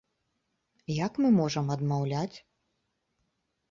Як мы можам адмаўляць?